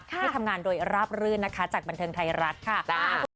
ให้ทำงานโดยราบรื่นนะคะจากบันเทิงไทยรัฐค่ะ